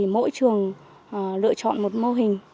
mỗi trường lựa chọn một mô hình